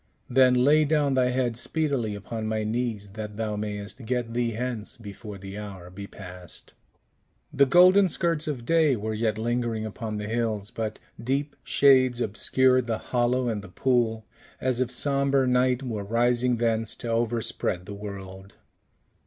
"Then, lay down thy head speedily upon my knees, that thou mayst get thee hence before the hour be past." The golden skirts of day were yet lingering upon the hills, but deep shades obscured the hollow and the pool, as if sombre night were rising thence to overspread the world.